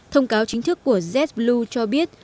thông cáo chính thức của jetblue cho biết